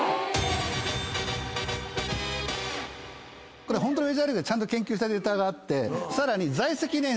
これホントのメジャーリーグでちゃんと研究したデータがあって。